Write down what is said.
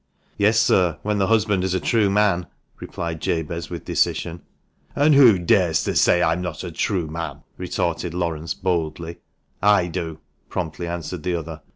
"Yes, sir, when the husband is a true man," replied Jabez, with decision. "And who dares to say I am not a true man?" retorted Laurence boldly. "I do!" promptly answered the other.